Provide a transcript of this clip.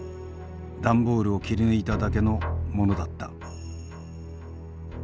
段ボールを切り抜いただけのものだった。